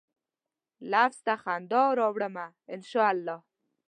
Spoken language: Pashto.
لفظ ته خندا راوړمه ، ان شا الله